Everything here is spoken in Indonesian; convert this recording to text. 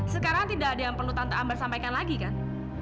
sekarang tidak ada yang perlu tante ambar sampaikan lagi kan